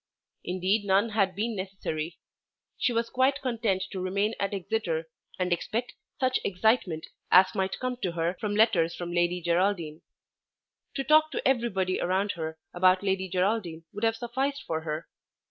Indeed none had been necessary. She was quite content to remain at Exeter and expect such excitement as might come to her from letters from Lady Geraldine. To talk to everybody around her about Lady Geraldine would have sufficed for her.